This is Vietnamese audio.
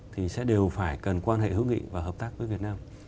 thì sẽ đều phải cần quan hệ hữu nghị và hợp tác với việt nam